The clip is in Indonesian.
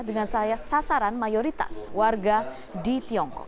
dengan sasaran mayoritas warga di tiongkok